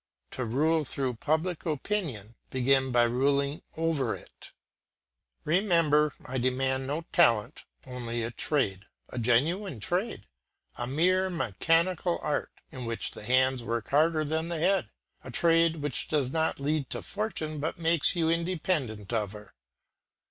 To rule through public opinion, begin by ruling over it. Remember I demand no talent, only a trade, a genuine trade, a mere mechanical art, in which the hands work harder than the head, a trade which does not lead to fortune but makes you independent of her.